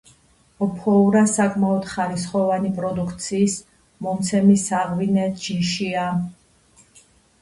ოფოურა საკმაოდ ხარისხოვანი პროდუქციის მომცემი საღვინე ჯიშია.